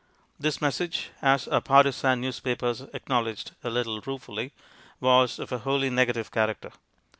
This message, as our partisan newspapers ac knowledged a little ruefully, was of a wholly negative character.